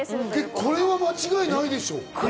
これは間違いないでしょ。